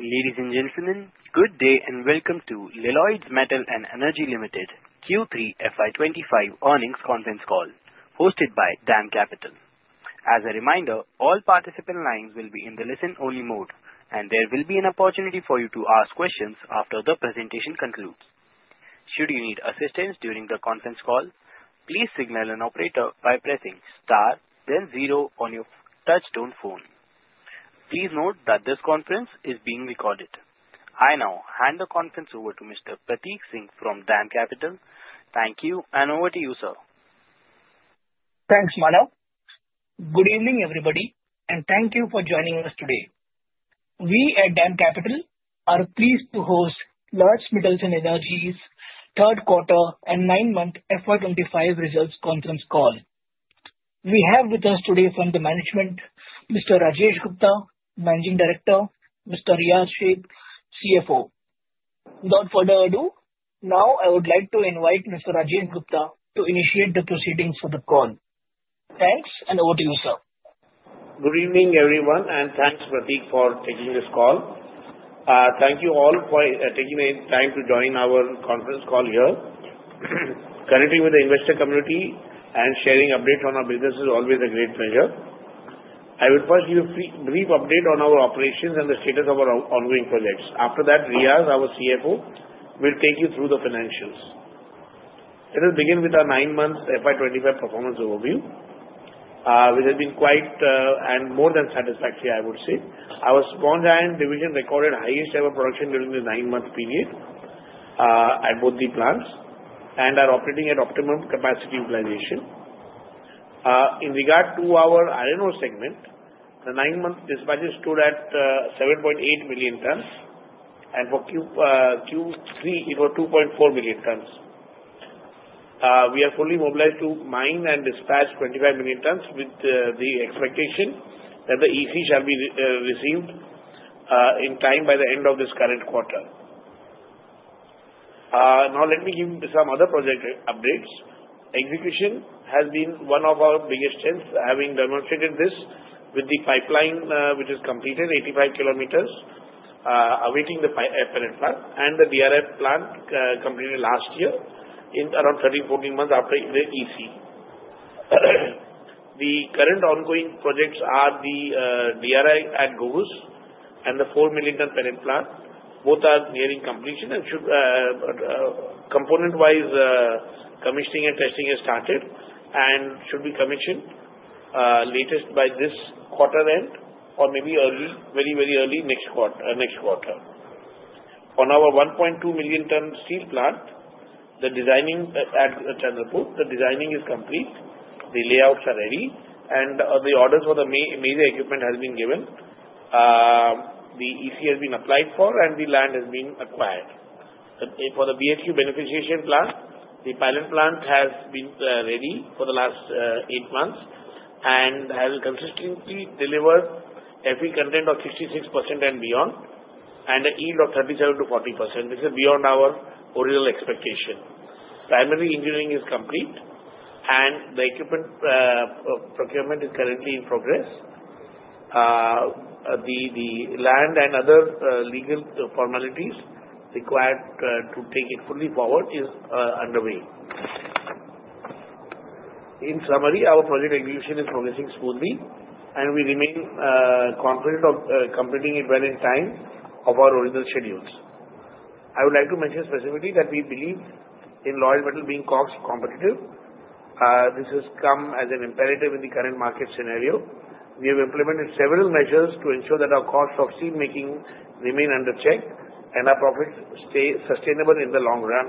Ladies and gentlemen, good day and welcome to Lloyds Metals and Energy Limited Q3 FY25 earnings conference call, hosted by DAM Capital. As a reminder, all participant lines will be in the listen-only mode, and there will be an opportunity for you to ask questions after the presentation concludes. Should you need assistance during the conference call, please signal an operator by pressing star, then zero on your touch-tone phone. Please note that this conference is being recorded. I now hand the conference over to Mr. Pratik Singh from DAM Capital. Thank you, and over to you, sir. Thanks, Manav. Good evening, everybody, and thank you for joining us today. We at DAM Capital are pleased to host Lloyds Metals and Energy's third quarter and nine-month FY25 results conference call. We have with us today from the management, Mr. Rajesh Gupta, Managing Director, Mr. Riyaz Shaikh, CFO. Without further ado, now I would like to invite Mr. Rajesh Gupta to initiate the proceedings for the call. Thanks, and over to you, sir. Good evening, everyone, and thanks, Pratik, for taking this call. Thank you all for taking the time to join our conference call here. Currently, with the investor community and sharing updates on our business is always a great pleasure. I will first give a brief update on our operations and the status of our ongoing projects. After that, Riyaz, our CFO, will take you through the financials. Let us begin with our nine-month FY25 performance overview, which has been quite and more than satisfactory, I would say. Our sponge iron division recorded highest-ever production during the nine-month period at both the plants, and are operating at optimum capacity utilization. In regard to our iron ore segment, the nine-month dispatches stood at 7.8 million tons, and for Q3, it was 2.4 million tons. We are fully mobilized to mine and dispatch 25 million tons, with the expectation that the EC shall be received in time by the end of this current quarter. Now, let me give you some other project updates. Execution has been one of our biggest strengths, having demonstrated this with the pipeline which is completed, 85 km, awaiting the pellet plant, and the DRI plant completed last year in around 13-14 months after the EC. The current ongoing projects are the DRI at Ghugus and the 4-million-ton pellet plant. Both are nearing completion, and component-wise, commissioning and testing has started and should be commissioned latest by this quarter end or maybe very, very early next quarter. On our 1.2-million-ton steel plant, the designing at Chandrapur, the designing is complete. The layouts are ready, and the orders for the major equipment have been given. The EC has been applied for, and the land has been acquired. For the BHQ beneficiation plant, the pellet plant has been ready for the last eight months and has consistently delivered Fe content of 66% and beyond, and a yield of 37 to 40%. This is beyond our original expectation. Primary engineering is complete, and the equipment procurement is currently in progress. The land and other legal formalities required to take it fully forward are underway. In summary, our project execution is progressing smoothly, and we remain confident of completing it well in time of our original schedules. I would like to mention specifically that we believe in Lloyds Metals being cost-competitive. This has come as an imperative in the current market scenario. We have implemented several measures to ensure that our cost of steel making remains under check and our profits stay sustainable in the long run.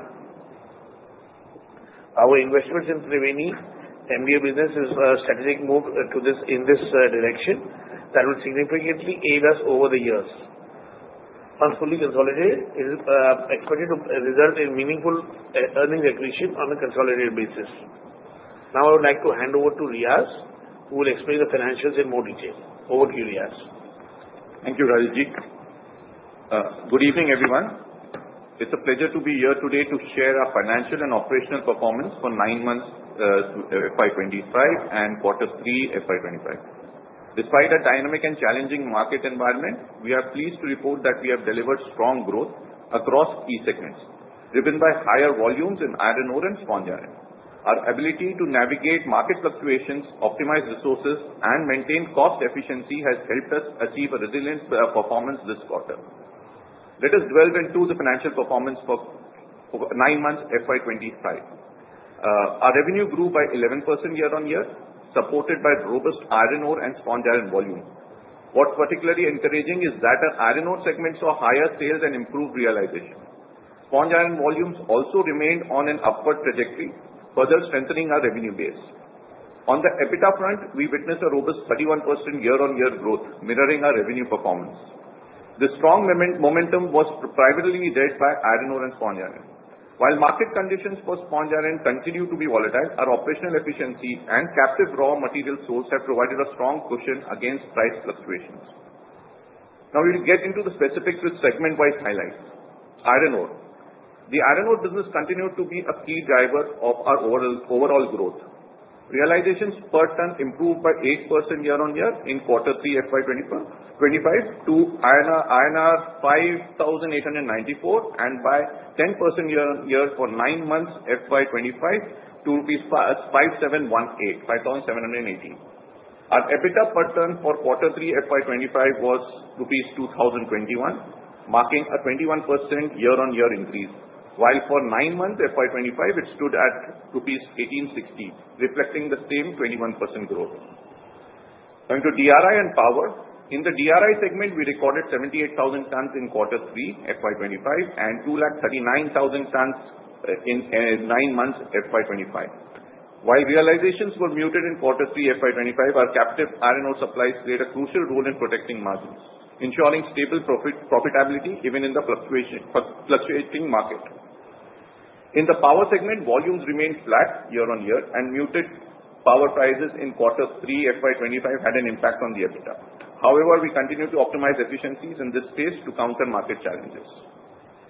Our investments in Thriveni, MDO business, is a strategic move in this direction that will significantly aid us over the years. Once fully consolidated, it is expected to result in meaningful earnings accretion on a consolidated basis. Now, I would like to hand over to Riyaz, who will explain the financials in more detail. Over to you, Riyaz. Thank you, Raja ji. Good evening, everyone. It's a pleasure to be here today to share our financial and operational performance for nine months FY25 and quarter three FY25. Despite a dynamic and challenging market environment, we are pleased to report that we have delivered strong growth across key segments, driven by higher volumes in iron ore and sponge iron. Our ability to navigate market fluctuations, optimize resources, and maintain cost efficiency has helped us achieve a resilient performance this quarter. Let us delve into the financial performance for nine months FY25. Our revenue grew by 11% year-on-year, supported by robust iron ore and sponge iron volume. What's particularly encouraging is that our iron ore segments saw higher sales and improved realization. Sponge iron volumes also remained on an upward trajectory, further strengthening our revenue base. On the EBITDA front, we witnessed a robust 31% year-on-year growth, mirroring our revenue performance. The strong momentum was primarily led by iron ore and sponge iron. While market conditions for sponge iron continue to be volatile, our operational efficiency and captive raw material source have provided a strong cushion against price fluctuations. Now, we'll get into the specifics with segment-wise highlights. Iron ore. The iron ore business continued to be a key driver of our overall growth. Realizations per ton improved by 8% year-on-year in quarter three FY25 to 5,894, and by 10% year-on-year for nine months FY25 to 5,718. Our EBITDA per ton for quarter three FY25 was rupees 2,021, marking a 21% year-on-year increase, while for nine months FY25, it stood at rupees 1,860, reflecting the same 21% growth. And to DRI and power. In the DRI segment, we recorded 78,000 tons in quarter three FY25 and 239,000 tons in nine months FY25. While realizations were muted in quarter three FY25, our captive iron ore supplies played a crucial role in protecting margins, ensuring stable profitability even in the fluctuating market. In the power segment, volumes remained flat year-on-year, and muted power prices in quarter three FY25 had an impact on the EBITDA. However, we continued to optimize efficiencies in this phase to counter market challenges.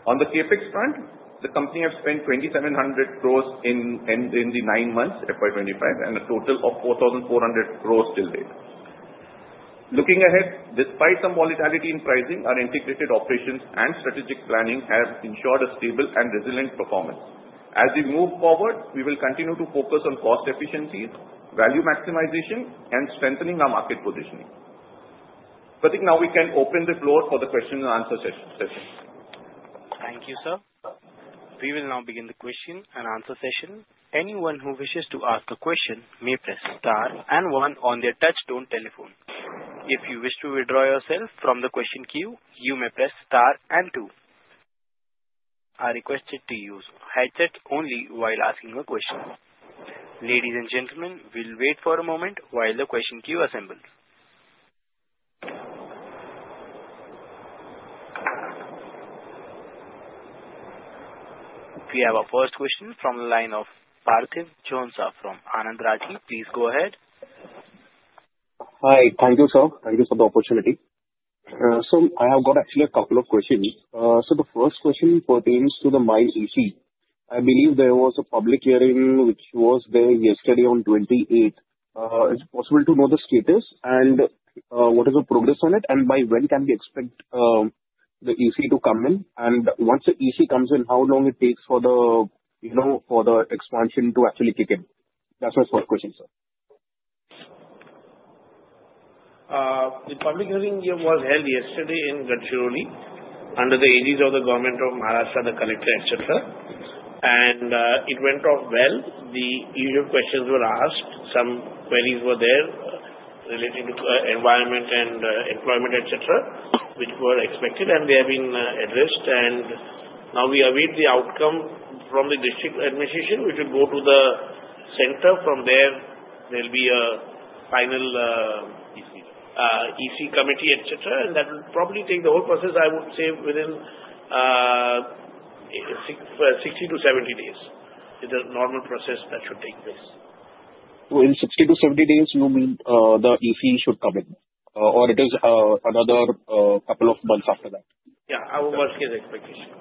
On the CAPEX front, the company has spent 2,700 crores in the nine months FY25 and a total of 4,400 crores till date. Looking ahead, despite some volatility in pricing, our integrated operations and strategic planning have ensured a stable and resilient performance. As we move forward, we will continue to focus on cost efficiencies, value maximization, and strengthening our market positioning. Pratik, now we can open the floor for the question-and-answer session. Thank you, sir. We will now begin the question-and-answer session. Anyone who wishes to ask a question may press star and one on their touch-tone telephone. If you wish to withdraw yourself from the question queue, you may press star and two. I requested to use headsets only while asking a question. Ladies and gentlemen, we'll wait for a moment while the question queue assembles. We have our first question from the line of Parthiv Jhonsa from Anand Rathi. Please go ahead. Hi. Thank you, sir. Thank you for the opportunity. So I have got actually a couple of questions. So the first question pertains to the mine EC. I believe there was a public hearing which was there yesterday on 28th. Is it possible to know the status and what is the progress on it, and by when can we expect the EC to come in? And once the EC comes in, how long it takes for the expansion to actually kick in? That's my first question, sir. The public hearing was held yesterday in Gadchiroli under the aegis of the Government of Maharashtra, the collector, etc., and it went off well. The usual questions were asked. Some queries were there relating to environment and employment, etc., which were expected, and they have been addressed, and now we await the outcome from the district administration, which will go to the center. From there, there'll be a final EC committee, etc., and that will probably take the whole process, I would say, within 60-70 days. It is a normal process that should take place. Within 60-70 days, you mean the EC should come in, or it is another couple of months after that? Yeah, our worst-case expectation.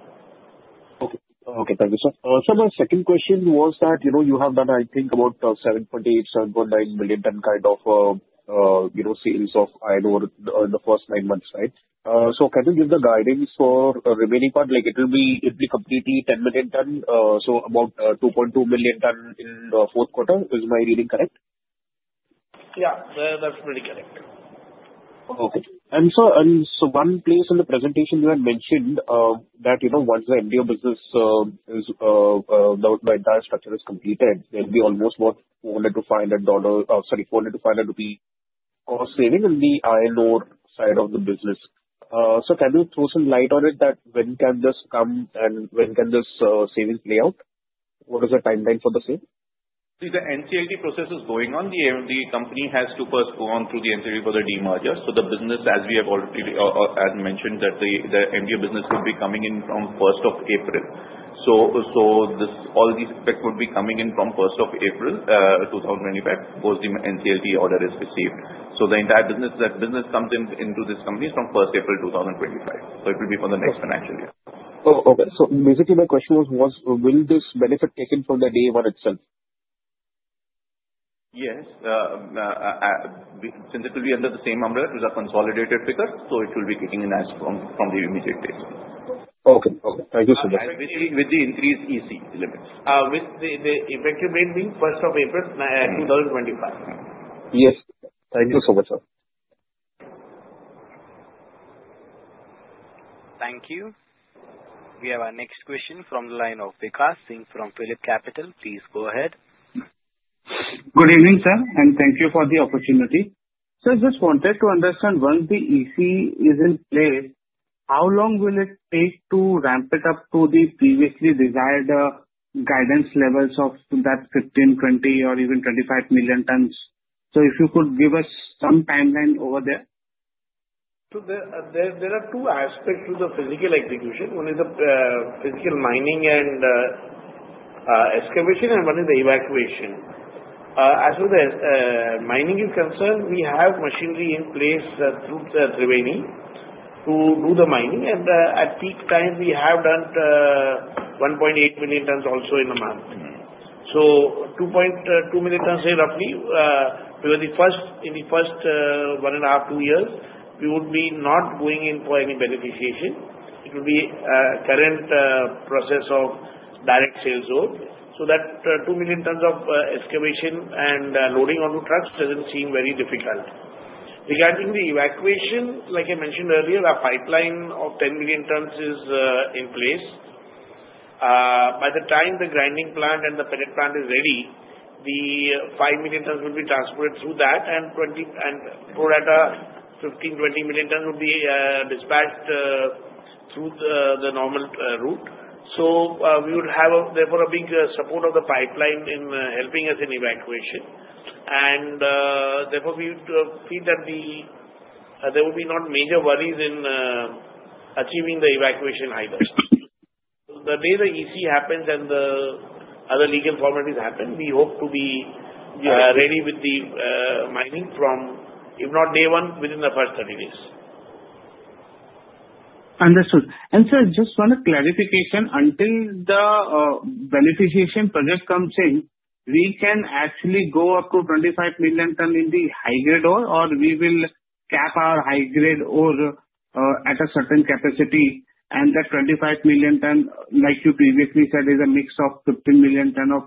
Okay. Thank you, sir. So my second question was that you have done, I think, about 7.8-7.9 million-ton kind of sales of iron ore in the first nine months, right? So can you give the guidance for the remaining part? It will be completely 10 million ton, so about 2.2 million ton in the fourth quarter. Is my reading correct? Yeah, that's pretty correct. Okay. And so, one place in the presentation, you had mentioned that once the MDO business, the entire structure is completed, there'll be almost about INR 400-INR 500 cost savings in the iron ore side of the business. So, can you throw some light on it that when can this come and when can this savings play out? What is the timeline for the sale? See, the NCLT process is going on. The company has to first go through the NCLT for the demergers. So the business, as we have already mentioned, that the MDO business will be coming in from 1st of April. So all these specs will be coming in from 1st of April 2025, once the NCLT order is received. So the entire business that business comes into this company is from 1st April 2025. So it will be for the next financial year. Oh, okay. So basically, my question was, will this benefit taken from the day one itself? Yes, since it will be under the same umbrella, which is a consolidated figure. So it will be kicking in as from the immediate basis. Okay. Okay. Thank you, sir. With the increased EC limits. With the effective end being 1st of April 2025. Yes. Thank you so much, sir. Thank you. We have our next question from the line of Vikash Singh from PhillipCapital. Please go ahead. Good evening, sir, and thank you for the opportunity. So I just wanted to understand, once the EC is in place, how long will it take to ramp it up to the previously desired guidance levels of that 15, 20, or even 25 million tons? So if you could give us some timeline over there. There are two aspects to the physical execution. One is the physical mining and excavation, and one is the evacuation. As for the mining is concerned, we have machinery in place through Thriveni to do the mining. And at peak times, we have done 1.8 million tons also in a month. So 2.2 million tons here, roughly, we were the first in the first one and a half, two years, we would be not going in for any beneficiation. It will be a current process of Direct Shipping Ore. So that 2 million tons of excavation and loading onto trucks doesn't seem very difficult. Regarding the evacuation, like I mentioned earlier, our pipeline of 10 million tons is in place. By the time the grinding plant and the pellet plant is ready, the 5 million tons will be transported through that, and pro rata 15-20 million tons will be dispatched through the normal route. So we would have, therefore, a big support of the pipeline in helping us in evacuation. And therefore, we feel that there will be no major worries in achieving the evacuation either. So the day the EC happens and the other legal formalities happen, we hope to be ready with the mining from, if not day one, within the first 30 days. Understood. And sir, just one clarification. Until the beneficiation project comes in, we can actually go up to 25 million tons in the high-grade ore, or we will cap our high-grade ore at a certain capacity, and that 25 million tons, like you previously said, is a mix of 15 million tons of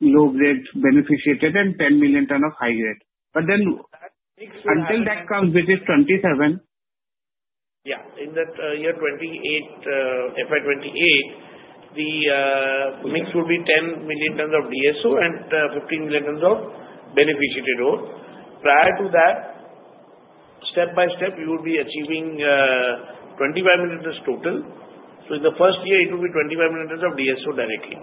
low-grade beneficiation and 10 million tons of high-grade. But then until that comes within 27. Yeah. In that year 28, FY28, the mix will be 10 million tons of DSO and 15 million tons of beneficiated ore. Prior to that, step by step, we will be achieving 25 million tons total. So in the first year, it will be 25 million tons of DSO directly.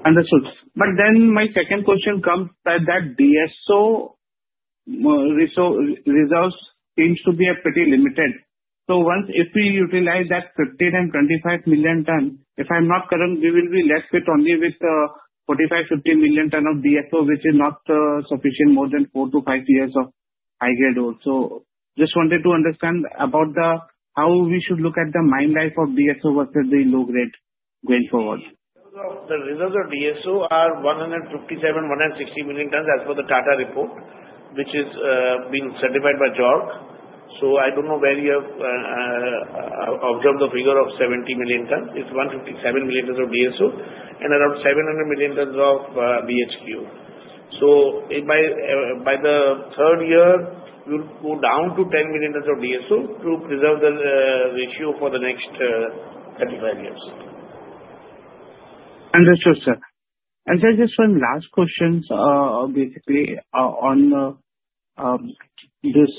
Understood. But then my second question comes that the DSO resource seems to be pretty limited. So once if we utilize that 15 and 25 million ton, if I'm not correct, we will be left with only 45-50 million ton of DSO, which is not sufficient more than four to five years of high-grade ore. So just wanted to understand about how we should look at the mine life of DSO versus the low-grade going forward. The results of DSO are 157-160 million tons as per the Tata report, which has been certified by JORC. So I don't know where you have observed the figure of 70 million tons? It's 157 million tons of DSO and around 700 million tons of BHQ. So by the third year, we'll go down to 10 million tons of DSO to preserve the ratio for the next 35 years. Understood, sir. And sir, just one last question, basically, on this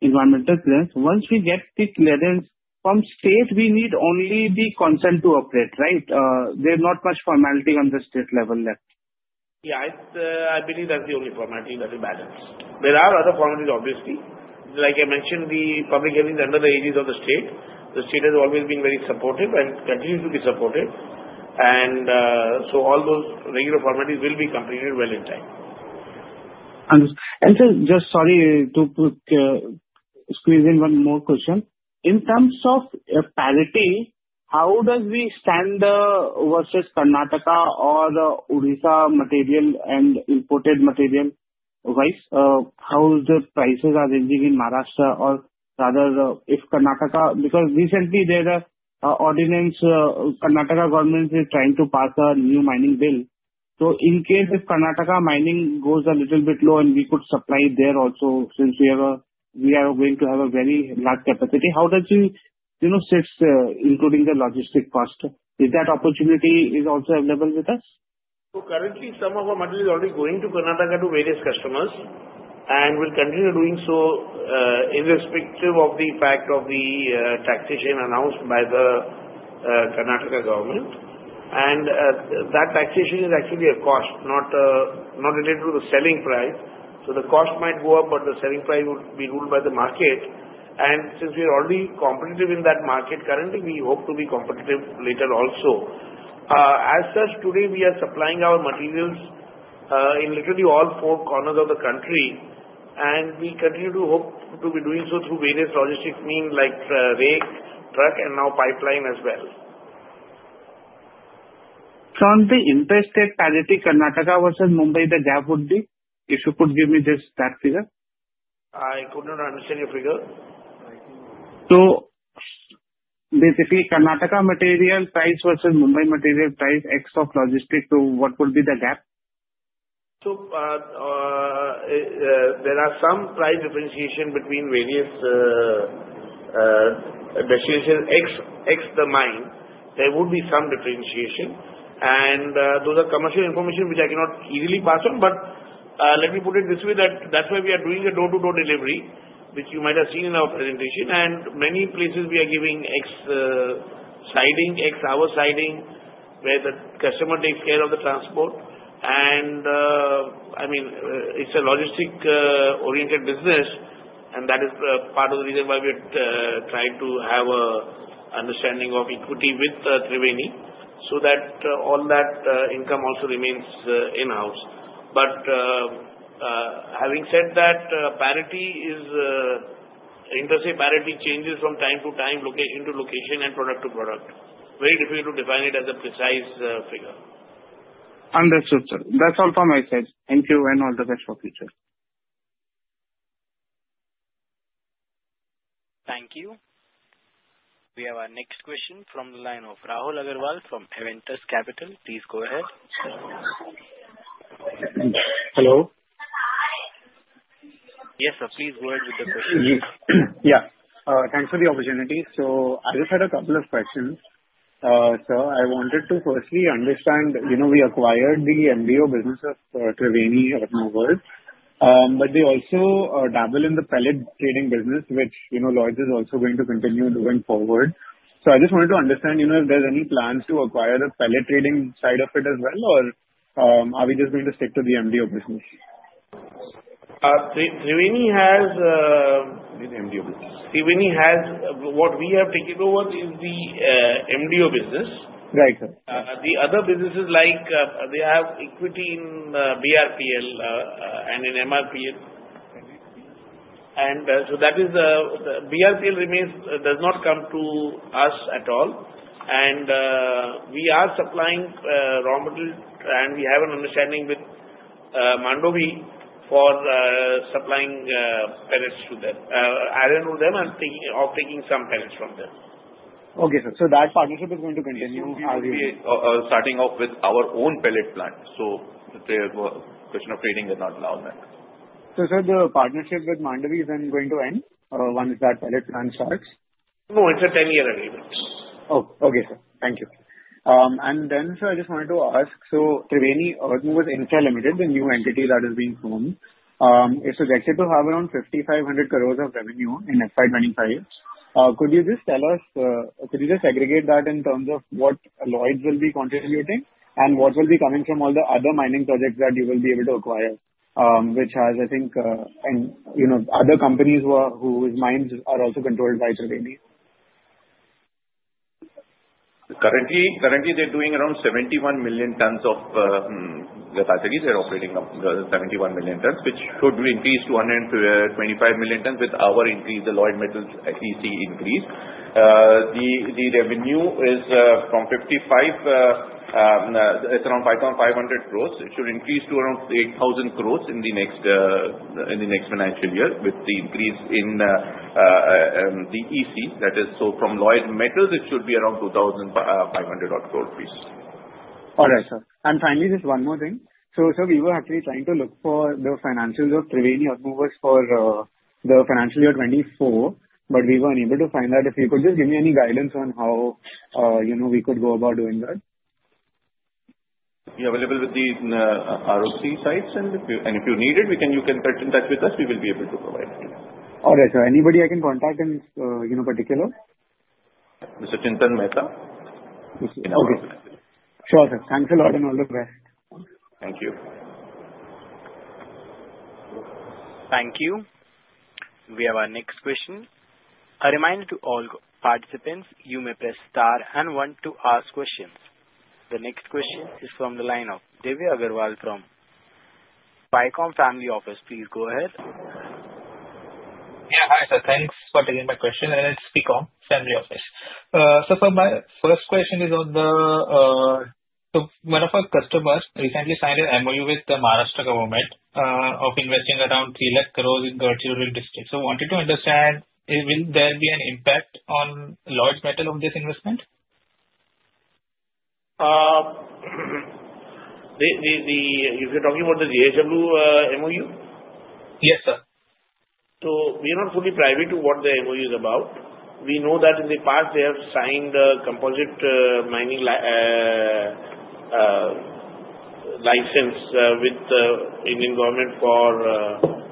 Environmental Clearance. Once we get the clearance from state, we need only the Consent to Operate, right? There's not much formality on the state level left. Yeah, I believe that's the only formality that we balance. There are other formalities, obviously. Like I mentioned, the public hearings under the aegis of the state, the state has always been very supportive and continues to be supportive, and so all those regular formalities will be completed well in time. Understood. And sir, just sorry to squeeze in one more question. In terms of parity, how does we stand versus Karnataka or Odisha material and imported material-wise? How the prices are ranging in Maharashtra or rather if Karnataka because recently, there's an ordinance Karnataka Government is trying to pass a new mining bill. So in case if Karnataka mining goes a little bit low and we could supply there also since we are going to have a very large capacity, how does it sit, including the logistic cost? Is that opportunity also available with us? Currently, some of our materials are already going to Karnataka to various customers and will continue doing so irrespective of the fact of the taxation announced by the Karnataka Government. That taxation is actually a cost, not related to the selling price. The cost might go up, but the selling price would be ruled by the market. Since we are already competitive in that market currently, we hope to be competitive later also. As such, today, we are supplying our materials in literally all four corners of the country, and we continue to hope to be doing so through various logistics means like rake, truck, and now pipeline as well. So on the interstate parity, Karnataka versus Mumbai, the gap would be? If you could give me just that figure. I could not understand your figure. So basically, Karnataka material price versus Mumbai material price ex of logistics, what would be the gap? So there are some price differentiation between various destinations from the mine. There would be some differentiation. And those are commercial information which I cannot easily pass on. But let me put it this way that that's why we are doing a door-to-door delivery, which you might have seen in our presentation. And many places, we are giving rail siding, 24-hour siding, where the customer takes care of the transport. And I mean, it's a logistic-oriented business, and that is part of the reason why we try to have an understanding of equity with Thriveni so that all that income also remains in-house. But having said that, parity is interesting. Parity changes from time to time, location to location, and product to product. Very difficult to define it as a precise figure. Understood, sir. That's all from my side. Thank you and all the best for future. Thank you. We have our next question from the line of Rahul Agarwal from Avendus Capital. Please go ahead. Hello. Yes, sir. Please go ahead with the question. Yeah. Thanks for the opportunity. So I just had a couple of questions. So I wanted to firstly understand, we acquired the MDO business of Thriveni at Mumbai, but they also dabble in the pellet trading business, which Lloyds is also going to continue doing forward. So I just wanted to understand if there's any plans to acquire the pellet trading side of it as well, or are we just going to stick to the MDO business? Thriveni has what we have taken over is the MDO business. The other businesses like they have equity in BRPL and in MRPPL. And so that is BRPL does not come to us at all. And we are supplying raw material, and we have an understanding with Mandovi for supplying pellets to them. I don't know about them taking some pellets from them. Okay, sir. So that partnership is going to continue. We are starting off with our own pellet plant. So the question of trading did not allow that. So sir, the partnership with Mandovi is then going to end once that pellet plant starts? No, it's a 10-year agreement. Oh, okay, sir. Thank you. And then, sir, I just wanted to ask, so Thriveni Earthmovers Private Limited, the new entity that is being formed, is projected to have around 5,500 crores of revenue in FY25. Could you just tell us, could you just aggregate that in terms of what Lloyds will be contributing and what will be coming from all the other mining projects that you will be able to acquire, which has, I think, and other companies whose mines are also controlled by Thriveni? Currently, they're doing around 71 million tons of capacity. They're operating 71 million tons, which should increase to 125 million tons with our increase, the Lloyds Metals EC increase. The revenue is from 55. It's around 5,500 crores. It should increase to around 8,000 crores in the next financial year with the increase in the EC, that is. So from Lloyds Metals, it should be around 2,500 crores increase. All right, sir. And finally, just one more thing. So sir, we were actually trying to look for the financials of Thriveni for the financial year 2024, but we were unable to find that. If you could just give me any guidance on how we could go about doing that. You're available with the ROC sites, and if you need it, you can get in touch with us. We will be able to provide it to you. All right, sir. Anybody I can contact in particular? Mr. Chintan Mehta in our financial. Sure, sir. Thanks a lot and all the best. Thank you. Thank you. We have our next question. A reminder to all participants, you may press star and one to ask questions. The next question is from the line of Divya Agarwal from Beacon Family Office. Please go ahead. Yeah, hi, sir. Thanks for taking my question. And it's Beacon Family Office. So sir, my first question is on the so one of our customers recently signed an MOU with the Maharashtra government of investing around 3 lakh crores in the Gadchiroli district. So I wanted to understand, will there be an impact on Lloyds Metals on this investment? You're talking about the JSW MOU? Yes, sir. So we are not fully privy to what the MOU is about. We know that in the past, they have signed a composite mining license with the Indian government for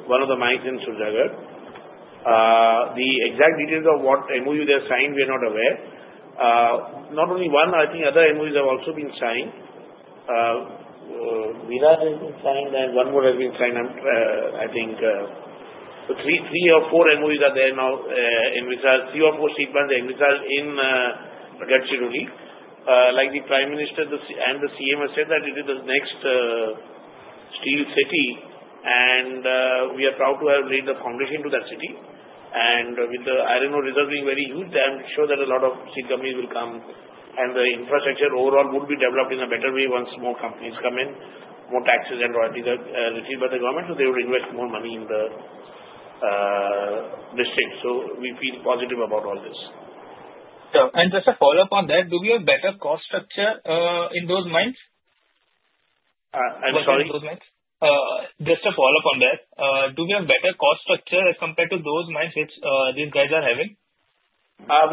one of the mines in Surjagarh. The exact details of what MOU they have signed, we are not aware. Not only one, I think other MOUs have also been signed. One more has been signed, and one more has been signed, I think. So three or four MOUs are there now. And we saw three or four statements in Gadchiroli. Like the Prime Minister and the CM have said that it is the next steel city, and we are proud to have laid the foundation to that city. With the iron ore reserve being very huge, I'm sure that a lot of steel companies will come, and the infrastructure overall would be developed in a better way once more companies come in, more taxes and royalties are retained by the government, so they will invest more money in the district. We feel positive about all this. Just a follow-up on that, do we have better cost structure in those mines? I'm sorry? Just a follow-up on that. Do we have better cost structure as compared to those mines which these guys are having?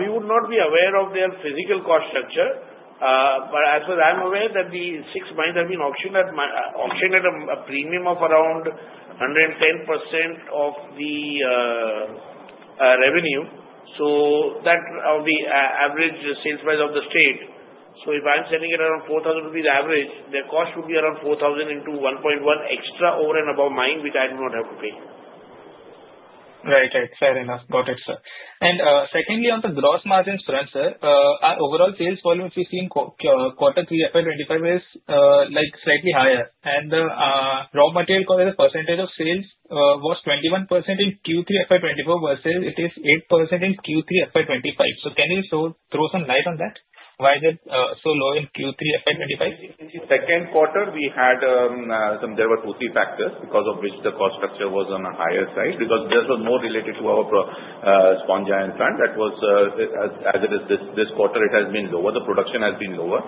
We would not be aware of their physical cost structure. But as far as I'm aware, that the six mines have been auctioned at a premium of around 110% of the revenue. So that of the average sales price of the state. So if I'm setting it around 4,000 rupees average, their cost would be around 4,000 into 1.1 extra over and above mine, which I do not have to pay. Right, right. Fair enough. Got it, sir. And secondly, on the gross margins, sir, overall sales volume we've seen quarter three FY25 is slightly higher. And the raw material percentage of sales was 21% in Q3 FY24 versus it is 8% in Q3 FY25. So can you throw some light on that? Why is it so low in Q3 FY25? Second quarter, we had some. There were two or three factors because of which the cost structure was on a higher side because there was more related to our sponge iron plant. That was, as it is, this quarter; it has been lower. The production has been lower.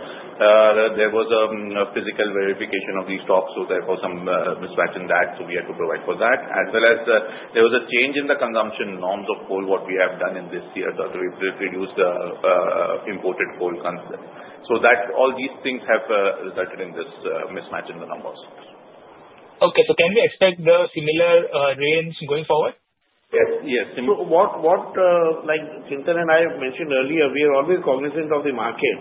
There was a physical verification of these stocks, so there was some mismatch in that. So we had to provide for that. As well as there was a change in the consumption norms of coal, what we have done in this year to reduce the imported coal consumption. So all these things have resulted in this mismatch in the numbers. Okay. So can we expect the similar range going forward? Yes. Yes, so what Chintan and I mentioned earlier, we are always cognizant of the market.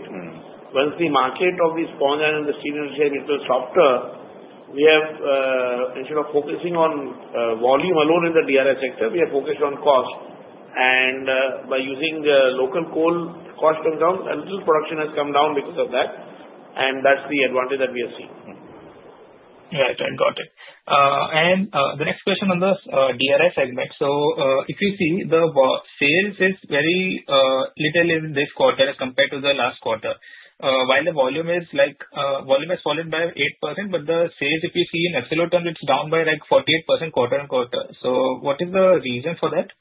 Once the market of the sponge iron and the steel industry has been a bit softer, we have instead of focusing on volume alone in the DRI sector, we have focused on cost, and by using local coal, costs went down. A little production has come down because of that, and that's the advantage that we have seen. Right. I got it. And the next question on the DRI segment. So if you see, the sales is very little in this quarter as compared to the last quarter. While the volume is fallen by 8%, but the sales, if you see in absolute terms, it's down by like 48% quarter on quarter. So what is the reason for that?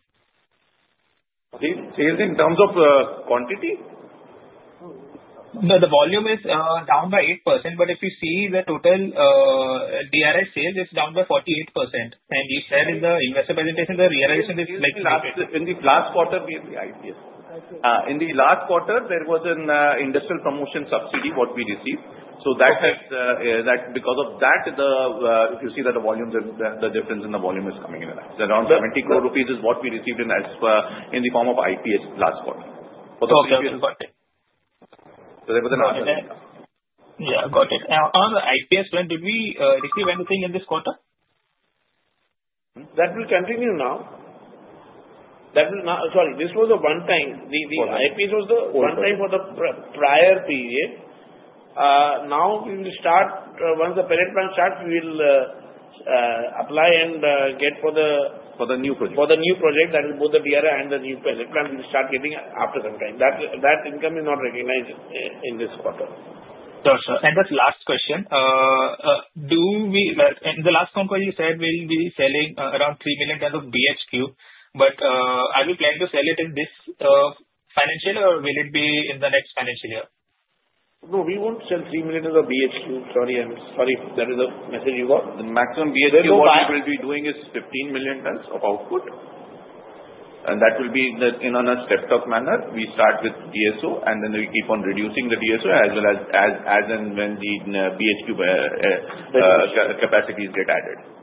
Okay. Sales in terms of quantity? No. The volume is down by 8%, but if you see the total DRI sales, it's down by 48%, and you shared in the investor presentation, the realization is like last. In the last quarter, we have the idea. In the last quarter, there was an Industrial Promotion Subsidy what we received. So because of that, if you see that the difference in the volume is coming in and out. Around 70 crore rupees is what we received in the form of IPS last quarter. Sorry. So there was an advantage. Yeah. Got it. Now, on the IPS, did we receive anything in this quarter? That will continue now. Sorry. This was a one-time. The IPS was the one-time for the prior period. Now, we will start once the pellet plant starts, we will apply and get for the. For the new project. For the new project that is both the DRI and the new pellet plant, we will start getting after some time. That income is not recognized in this quarter. Sure, sir, and just last question. In the last phone call, you said we'll be selling around three million tons of BHQ, but are we planning to sell it in this financial year, or will it be in the next financial year? No, we won't sell three million tons of BHQ. Sorry. Sorry. That is the message you got. The maximum BHQ we will be doing is 15 million tons of output. And that will be in a step-up manner. We start with DSO, and then we keep on reducing the DSO as well as when the BHQ capacities get added.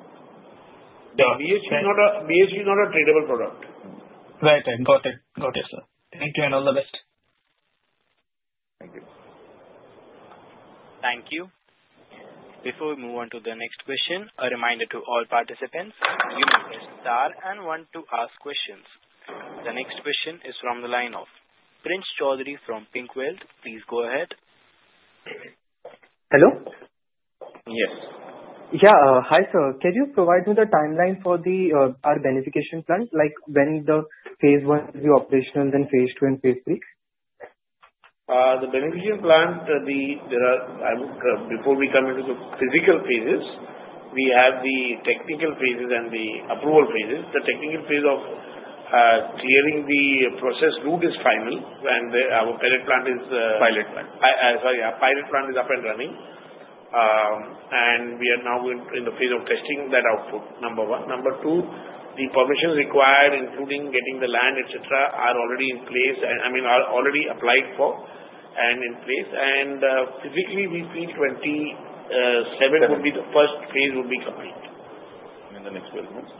Yeah. BHQ is not a tradable product. Right. I got it. Got it, sir. Thank you and all the best. Thank you. Thank you. Before we move on to the next question, a reminder to all participants, you may press star and one to ask questions. The next question is from the line of Prince Choudhary from Finkwale. Please go ahead. Hello? Yes. Yeah. Hi, sir. Can you provide me the timeline for our beneficiation plant, like when the phase one will be operational, then phase two, and phase three? The beneficiation plant, before we come into the physical phases, we have the technical phases and the approval phases. The technical phase of clearing the process route is final, and our pellet plant is. Pilot plant. Sorry. Our pilot plant is up and running, and we are now in the phase of testing that output, number one. Number two, the permissions required, including getting the land, etc., are already in place. I mean, are already applied for and in place. And physically, we feel 27 would be the first phase complete. In the next 12 months.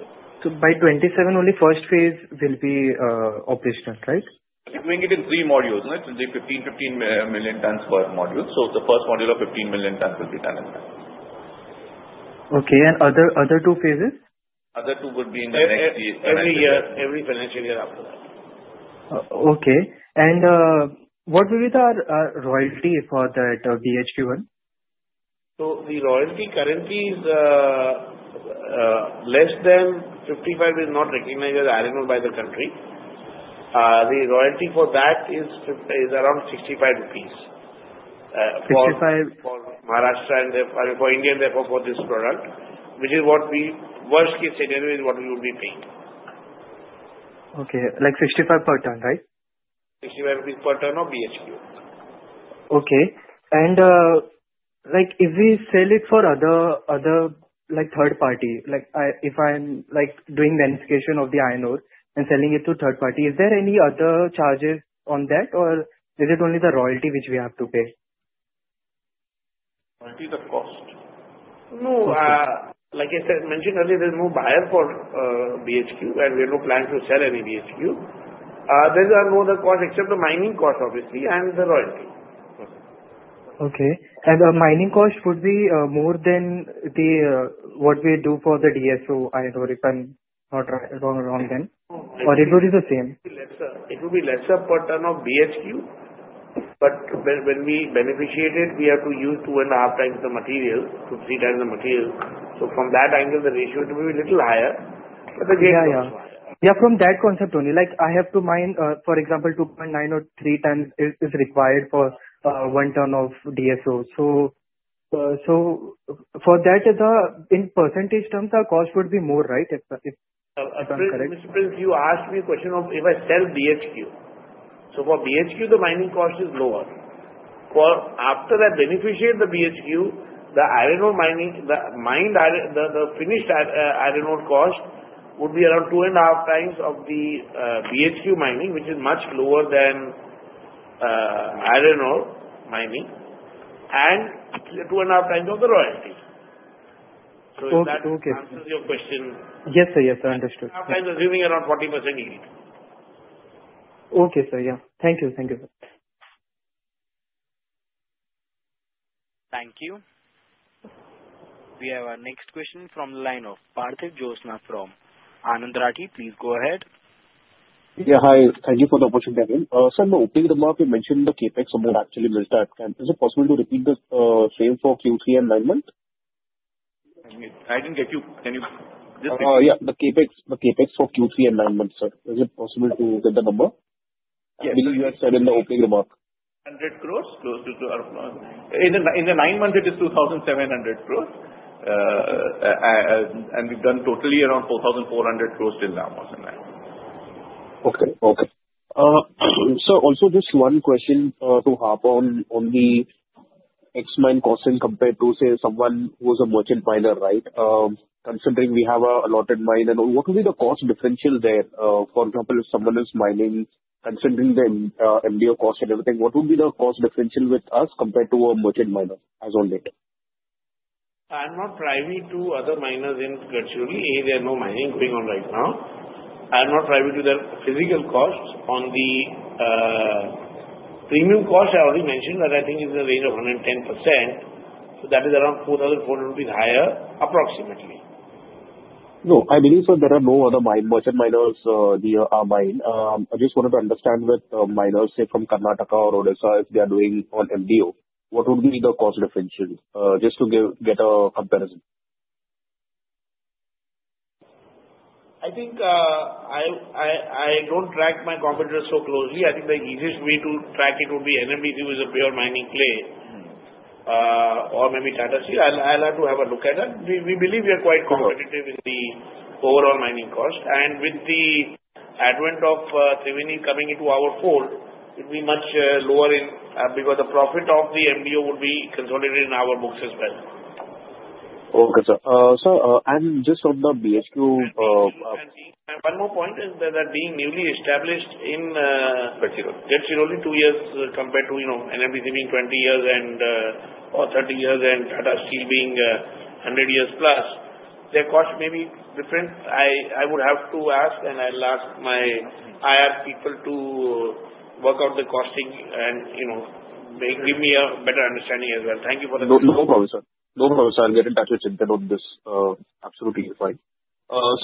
So by 2027, only first phase will be operational, right? We're doing it in three modules. It will be 15 million tons per module. So the first module of 15 million tons will be done in that. Okay. And other two phases? Other two would be in the next every financial year after that. Okay. And what will be the royalty for that BHQ one? The royalty currently is less than 55, is not recognized as iron ore by the country. The royalty for that is around 65 rupees for Maharashtra and for iron, therefore for this product, which is what we, worst-case scenario, will be paying. Okay. Like 65 per ton, right? 65 per ton of BHQ. Okay. And if we sell it for other third party, if I'm doing the investigation of the iron ore and selling it to third party, is there any other charges on that, or is it only the royalty which we have to pay? What is the cost? No. Like I said, mentioned earlier, there's no buyer for BHQ, and we have no plan to sell any BHQ. There is no other cost except the mining cost, obviously, and the royalty. Okay. And the mining cost would be more than what we do for the DSO iron ore if I'm not wrong then. Or it would be the same? It would be lesser per ton of BHQ, but when we beneficiate it, we have to use two and a half times the material to three times the material. So from that angle, the ratio would be a little higher. Yeah. From that concept only, I have to mine, for example, two point nine or three tons is required for one ton of DSO. So for that, in percentage terms, the cost would be more, right? If I'm correct. Prince Chintan, you asked me a question of if I sell BHQ. So for BHQ, the mining cost is lower. After I beneficiate the BHQ, the iron ore mining, the finished iron ore cost would be around two and a half times of the BHQ mining, which is much lower than iron ore mining, and two and a half times of the royalties. So if that answers your question. Yes, sir. Yes, sir. Understood. Sometimes the revenue is around 40% each. Okay, sir. Yeah. Thank you. Thank you. Thank you. We have our next question from the line of Parthiv Jhonsa from Anand Rathi. Please go ahead. Yeah. Hi. Thank you for the opportunity, Aaron. Sir, no. I think the number you mentioned, the CapEx amount actually mentioned at. Is it possible to repeat the same for Q3 and nine month? I didn't get you. Can you just repeat? Yeah. The CAPEX for Q3 and 9 months, sir. Is it possible to get the number? Yes. Because you have said in the opening remark. Crores close to our in the nine months. It is 2,700 crores, and we've done totally around 4,400 crores till now in nine months. Okay. Sir, also just one question to harp on the ex-mine cost incurred compared to, say, someone who is a merchant miner, right? Considering we have our own mine, and what would be the cost differential there? For example, if someone is mining, considering the MDO cost and everything, what would be the cost differential with us compared to a merchant miner or not? I'm not privy to other miners in Gadchiroli. There are no mining going on right now. I'm not privy to their physical costs. On the premium cost, I already mentioned that I think it's in the range of 110%. So that is around 4,400 rupees higher, approximately. No. I believe, sir, there are no other merchant miners near our mine. I just wanted to understand with miners, say, from Karnataka or Odisha, if they are doing on MDO, what would be the cost differential just to get a comparison? I think I don't track my competitors so closely. I think the easiest way to track it would be NMDC is a pure mining play or maybe Tata Steel. I'll have to have a look at that. We believe we are quite competitive in the overall mining cost. And with the advent of Thriveni coming into our fold, it will be much lower because the profit of the MDO would be consolidated in our books as well. Okay, sir. Sir, and just on the BHQ. One more point is that being newly established in Gadchiroli, only two years compared to NMDC being 20 years or 30 years and Tata Steel being 100 years plus, their cost may be different. I would have to ask, and I'll ask my IR people to work out the costing and give me a better understanding as well. Thank you for the question. No problem, sir. No problem, sir. I'll get in touch with Chintan on this. Absolutely. It's fine.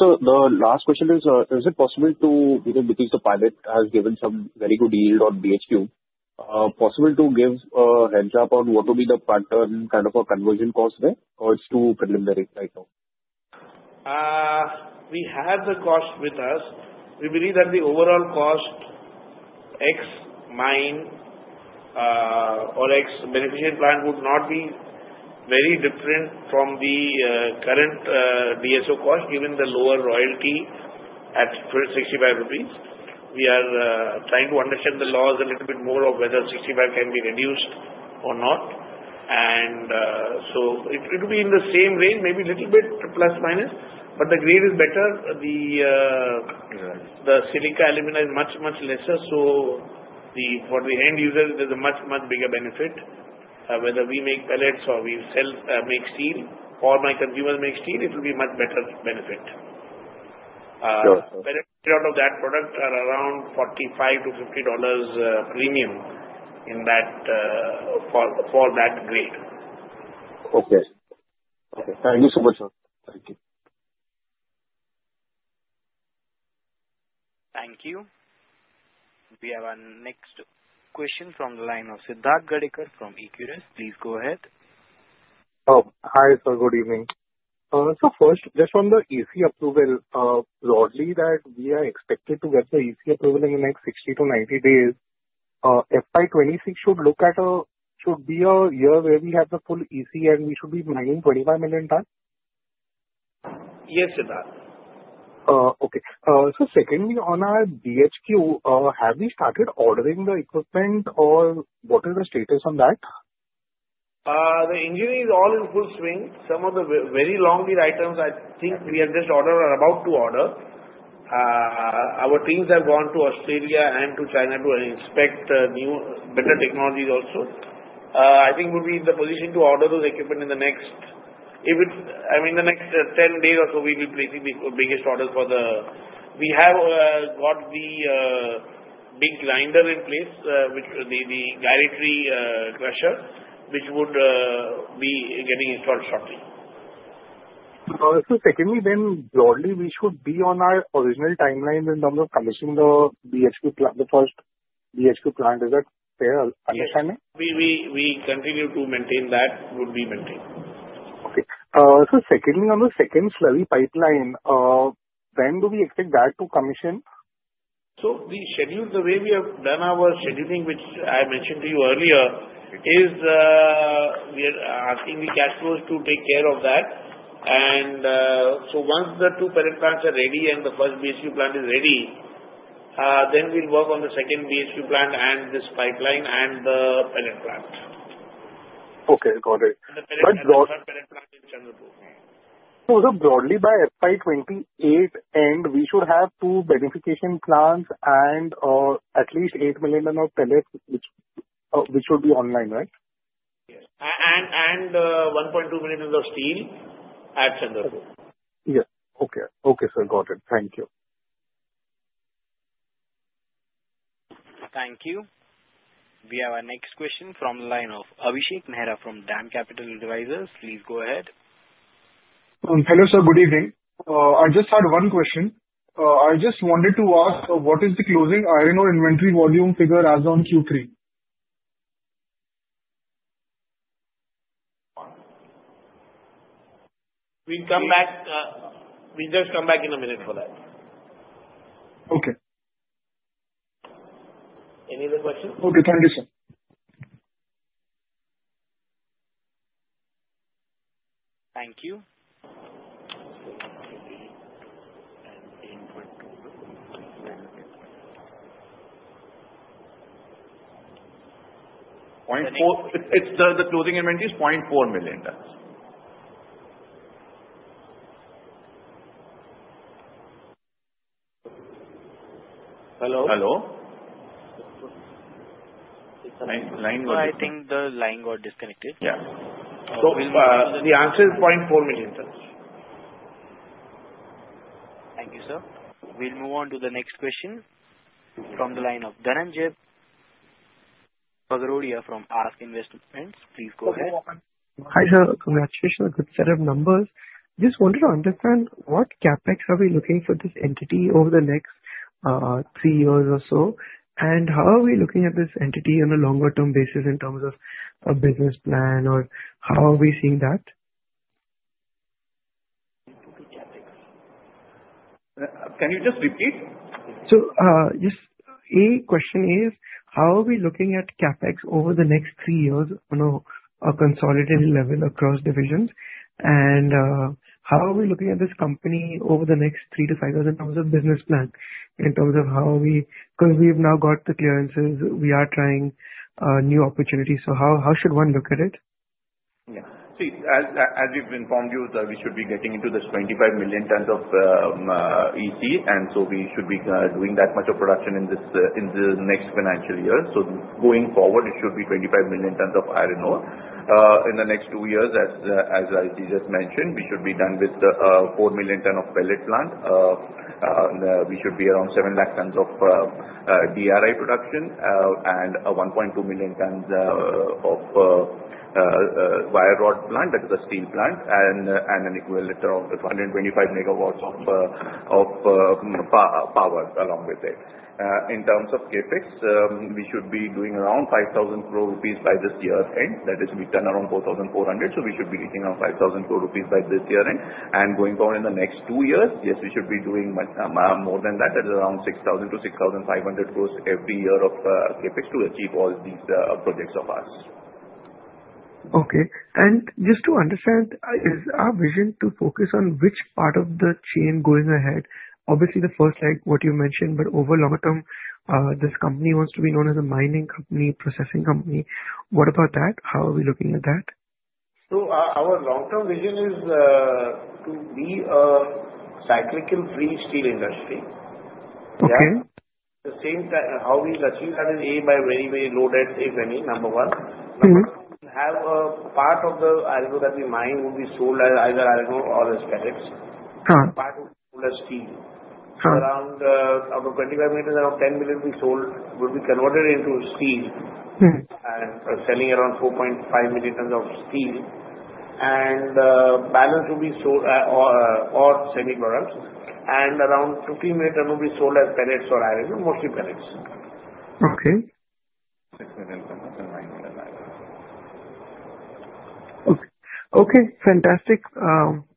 Sir, the last question is, is it possible to, because the pilot has given some very good yield on BHQ, possible to give a handshake on what would be the per ton kind of a conversion cost there, or it's too preliminary right now? We have the cost with us. We believe that the overall cost per mine or per beneficiation plant would not be very different from the current DSO cost given the lower royalty at 65 rupees. We are trying to understand the clause a little bit more of whether 65 can be reduced or not. And so it would be in the same range, maybe a little bit plus minus, but the grade is better. The silica alumina is much, much lesser. So for the end user, there's a much, much bigger benefit whether we make pellets or we make steel or my consumers make steel. It will be a much better benefit. Pellets out of that product are around $45-$50 premium for that grade. Okay. Okay. Thank you so much, sir. Thank you. Thank you. We have our next question from the line of Siddharth Gadekar from Equirus. Please go ahead. Oh, hi, sir. Good evening. So first, just on the EC approval, broadly, that we are expected to get the EC approval in the next 60-90 days, FY26 should be a year where we have the full EC, and we should be mining 25 million tons? Yes, Siddharth. Okay. So secondly, on our BHQ, have we started ordering the equipment, or what is the status on that? The engineering is all in full swing. Some of the very long lead items I think we have just ordered or are about to order. Our teams have gone to Australia and to China to inspect better technologies also. I think we'll be in the position to order those equipment in the next I mean, in the next 10 days or so, we'll be placing the biggest orders for the. We have got the big grinder in place, the tertiary crusher, which would be getting installed shortly. So secondly, then broadly, we should be on our original timeline in terms of commissioning the first BHQ plant. Is that fair understanding? We continue to maintain that would be maintained. Okay, so secondly, on the second slurry pipeline, when do we expect that to commission? So the schedule, the way we have done our scheduling, which I mentioned to you earlier, is I think we cash flow to take care of that. And so once the two pellet plants are ready and the first BHQ plant is ready, then we'll work on the second BHQ plant and this pipeline and the pellet plant. Okay. Got it. The pellet plant in Chandrapur. So broadly, by FY28, we should have two beneficiation plants and at least eight million tons of pellets, which should be online, right? Yes, and 1.2 million of steel at Chandrapur. Yes. Okay. Okay, sir. Got it. Thank you. Thank you. We have our next question from the line of Abhishek Mehra from DAM Capital Advisors. Please go ahead. Hello, sir. Good evening. I just had one question. I just wanted to ask, what is the closing iron ore inventory volume figure as on Q3? We'll just come back in a minute for that. Okay. Any other questions? Okay. Thank you, sir. Thank you. The closing inventory is 0.4 million tons. Hello. Hello? It's a line going to. I think the line got disconnected. Yeah. So. The answer is 0.4 million tons. Thank you, sir. We'll move on to the next question from the line of Dhananjay Bagrodia from ASK Investment Managers. Please go ahead. Hi, sir. Congratulations. Good set of numbers. Just wanted to understand what CAPEX are we looking for this entity over the next three years or so, and how are we looking at this entity on a longer-term basis in terms of a business plan, or how are we seeing that? Can you just repeat? So just a question is, how are we looking at CAPEX over the next three years on a consolidated level across divisions, and how are we looking at this company over the next three to five years in terms of business plan, in terms of how we because we've now got the clearances, we are trying new opportunities. So how should one look at it? Yeah. See, as we've informed you, we should be getting into this 25 million tons of EC, and so we should be doing that much of production in the next financial year. So going forward, it should be 25 million tons of iron ore. In the next two years, as I just mentioned, we should be done with 4 million tons of pellet plant. We should be around 7 lakh tons of DRI production and 1.2 million tons of wire rod plant. That is a steel plant and an equivalent of 125 megawatts of power along with it. In terms of CapEx, we should be doing around 5,000 crore rupees by this year's end. That is, we're at around 4,400. So we should be reaching around 5,000 crore rupees by this year's end. And going forward in the next two years, yes, we should be doing more than that. That is around ₹6,000-₹6,500 crores every year of CapEx to achieve all these projects of ours. Okay. And just to understand, is our vision to focus on which part of the chain going ahead? Obviously, the first leg, what you mentioned, but over longer term, this company wants to be known as a mining company, processing company. What about that? How are we looking at that? So our long-term vision is to be a cyclical free steel industry. Yeah. At the same time, how we achieve that is a, by very, very low debt, if any, number one. Number two, we have a part of the iron ore that we mine will be sold as either iron ore or as pellets. Part will be sold as steel. Around 25 million tons out of 10 million will be sold, will be converted into steel and selling around 4.5 million tons of steel. And balance will be sold or semi-products. And around 15 million tons will be sold as pellets or iron, mostly pellets. Okay. Million tons of iron. Okay. Okay. Fantastic.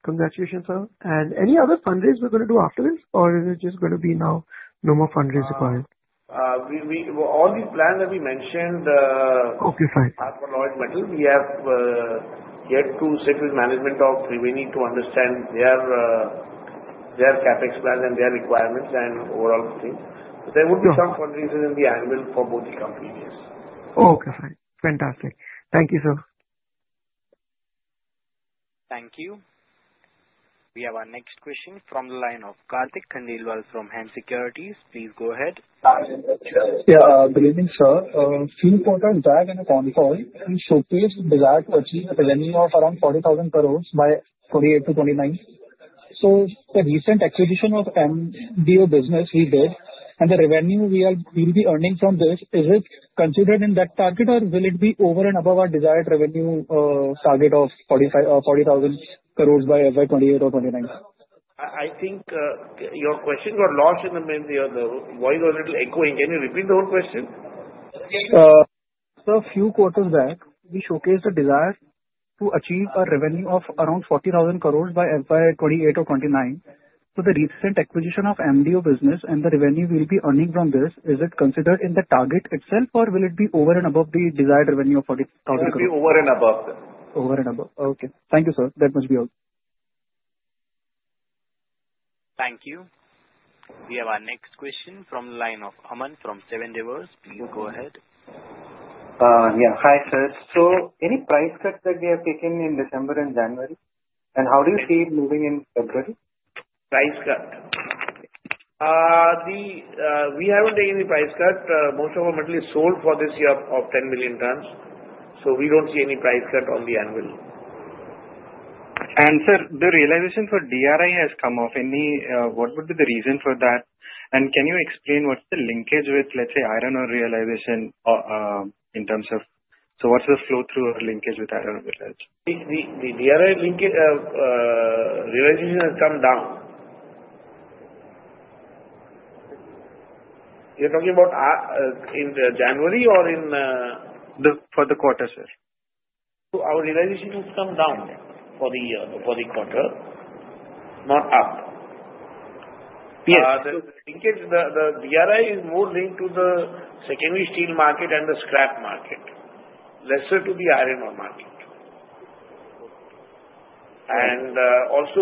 Congratulations, sir. And any other fundraise we're going to do after this, or is it just going to be now no more fundraise required? All these plans that we mentioned. Okay. Fine. For large metals, we have yet to sit with management of Thriveni to understand their CapEx plans and their requirements and overall thing. There will be some fundraisers on the anvil for both the companies, yes. Okay. Fine. Fantastic. Thank you, sir. Thank you. We have our next question from the line of Karthik Khandelwal from Khandwala Securities. Please go ahead. Yeah. Good evening, sir. Few quarters back in a con call, and so we desire to achieve a revenue of around 40,000 crores by FY28 to FY29. So the recent acquisition of MDO business we did and the revenue we will be earning from this, is it considered in that target, or will it be over and above our desired revenue target of 40,000 crores by FY28 or FY29? I think your question got lost in the noise. The voice was a little echoing. Can you repeat the whole question? Sir, a few quarters back, we showcased a desire to achieve a revenue of around 40,000 crores by FY28 or 29. So the recent acquisition of MDO business and the revenue we'll be earning from this, is it considered in the target itself, or will it be over and above the desired revenue of 40,000 crores? It will be over and above this. Over and above. Okay. Thank you, sir. That must be all. Thank you. We have our next question from the line of Aman from Seven Rivers. Please go ahead. Yeah. Hi, sir. So any price cuts that we have taken in December and January? And how do you see it moving in February? Price cut. We haven't taken any price cut. Most of our metal is sold for this year of 10 million tons. So we don't see any price cut on the annual. Sir, the realization for DRI has come off. What would be the reason for that? Can you explain what's the linkage with, let's say, iron ore realization in terms of what's the flow-through linkage with iron ore realization? The DRI realization has come down. You're talking about in January or in? For the quarter, sir. Our realization has come down for the quarter, not up. The DRI is more linked to the secondary steel market and the scrap market, lesser to the iron ore market. And also,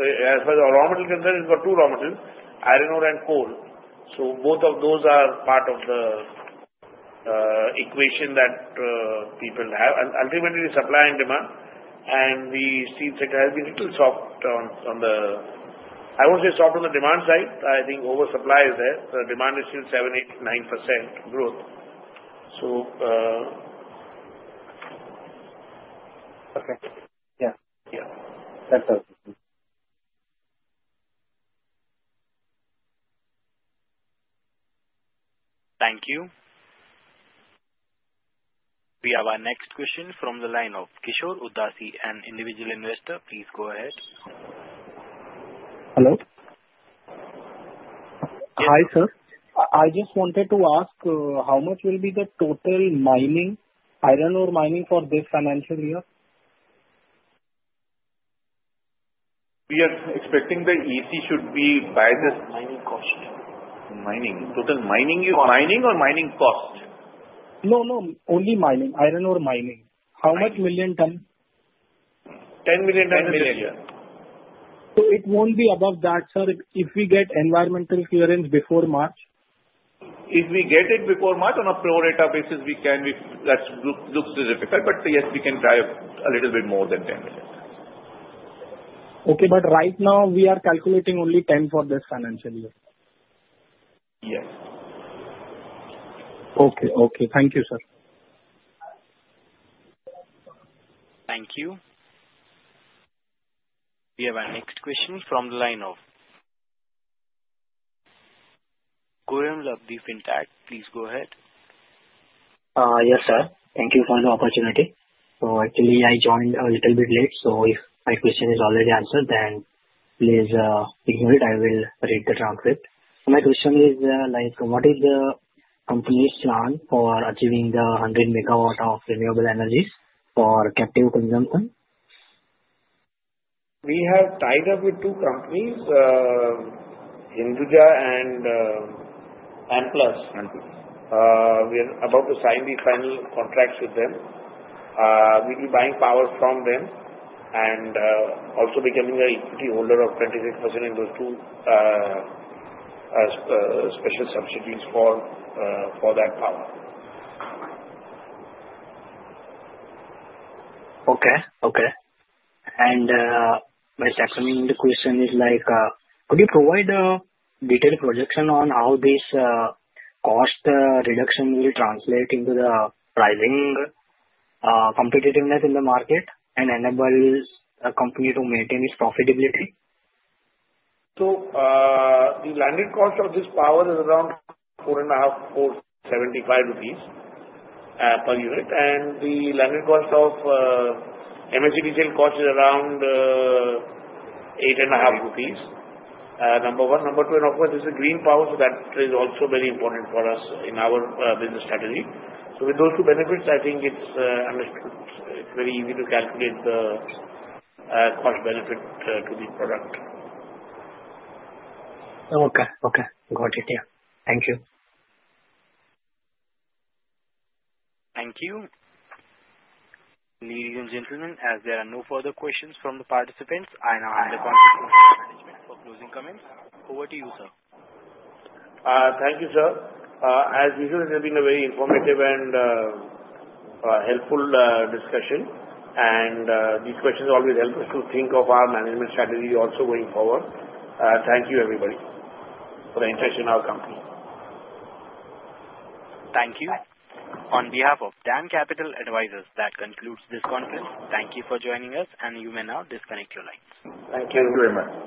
as far as raw metal concerns, we've got two raw metals, iron ore and coal. So both of those are part of the equation that people have, and ultimately, supply and demand. And the steel sector has been a little soft on the, I won't say, soft on the demand side. I think oversupply is there. The demand is still 7%-9% growth. So. Okay. Yeah. Yeah. Thank you. We have our next question from the line of Kishore Udasi, an individual investor. Please go ahead. Hello. Hi, sir. I just wanted to ask how much will be the total iron ore mining for this financial year? We are expecting the EC should be by the mining cost. Mining. Total mining is mining or mining cost? No, no. Only mining. Iron ore mining. How much million tons? 10 million tons this year. 10 million. So it won't be above that, sir, if we get environmental clearance before March? If we get it before March on a pro rata basis, we can. That looks difficult, but yes, we can try a little bit more than 10 million. Okay, but right now, we are calculating only 10 for this financial year. Yes. Okay. Okay. Thank you, sir. Thank you. We have our next question from the line of Gaurav from Labdhi Fintrade. Please go ahead. Yes, sir. Thank you for the opportunity. So actually, I joined a little bit late. So if my question is already answered, then please ignore it. I will read the transcript. So my question is, what is the company's plan for achieving the 100 megawatt of renewable energies for captive consumption? We have tied up with two companies, Hinduja and Amplus. We are about to sign the final contracts with them. We'll be buying power from them and also becoming an equity holder of 26% in those two special subsidiaries for that power. Okay. And my second question is, could you provide a detailed projection on how this cost reduction will translate into the rising competitiveness in the market and enable a company to maintain its profitability? The landed cost of this power is around 4.75 rupees per unit, and the landed cost of MSEB detailed cost is around INR 8.5. Number one. Number two, and of course, this is green power, so that is also very important for us in our business strategy. With those two benefits, I think it's very easy to calculate the cost-benefit to the product. Okay. Okay. Got it. Yeah. Thank you. Thank you. Ladies and gentlemen, as there are no further questions from the participants, I now hand the conference to management for closing comments. Over to you, sir. Thank you, sir. As usual, it has been a very informative and helpful discussion, and these questions always help us to think of our management strategy also going forward. Thank you, everybody, for the interest in our company. Thank you. On behalf of DAM Capital Advisors, that concludes this conference. Thank you for joining us, and you may now disconnect your lines. Thank you. Thank you very much.